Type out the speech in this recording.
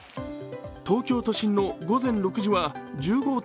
東京都心の午前６時は１５．９度。